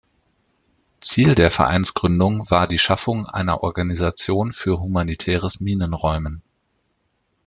Ziel der Vereinsgründung war die Schaffung einer Organisation für humanitäres Minenräumen.